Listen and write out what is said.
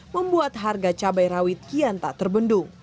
membuat harga cabai rawit kian tak terbendung